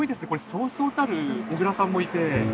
そうそうたる小倉さんもいて。